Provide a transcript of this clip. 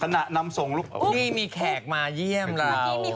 นี่มีแขกมาเยี่ยมเรา